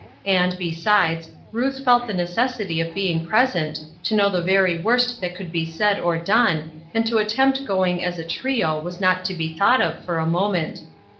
And, besides, Ruth felt the necessity of being present, to know the very worst that could be said or done, and to attempt going as a trio was not to be thought of for a moment.